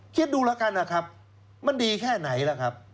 คิดดูแล้วกันนะครับมันดีแค่ไหนล่ะครับ